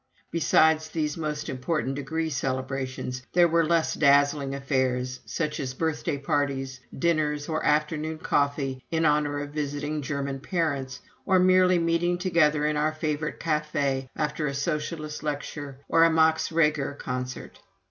Besides these most important degree celebrations, there were less dazzling affairs, such as birthday parties, dinners, or afternoon coffee in honor of visiting German parents, or merely meeting together in our favorite café after a Socialist lecture or a Max Reger concert.